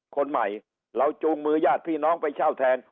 คนใหม่เราจูงมือญาติพี่น้องไปเช่าแทน